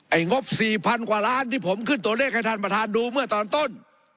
งบ๔๐๐๐กว่าล้านที่ผมขึ้นตัวเลขให้ท่านประธานดูเมื่อตอนต้น